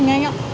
ngay từ hôm nay